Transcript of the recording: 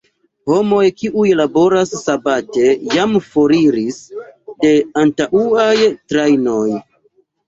Homoj, kiuj laboras sabate jam foriris de antaŭaj trajnoj.